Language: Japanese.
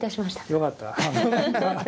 よかった。